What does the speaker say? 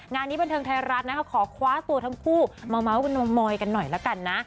งานนี้บรรเทิงไทยรัฐขอคว้าตัวทั้งคู่มาเมากันหน่อยละกันนะ